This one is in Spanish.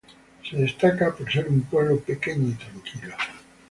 Se destaca por ser un pueblo pequeño y tranquilo.